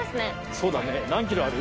そうだね。